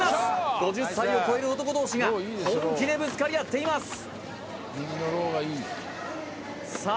５０歳を超える男同士が本気でぶつかり合っていますさあ